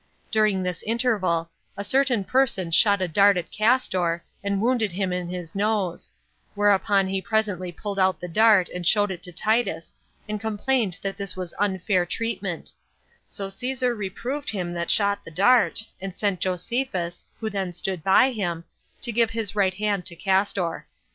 During this interval, a certain person shot a dart at Castor, and wounded him in his nose; whereupon he presently pulled out the dart, and showed it to Titus, and complained that this was unfair treatment; so Caesar reproved him that shot the dart, and sent Josephus, who then stood by him, to give his right hand to Castor.